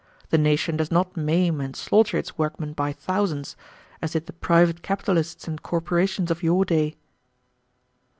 The nation does not maim and slaughter its workmen by thousands, as did the private capitalists and corporations of your day."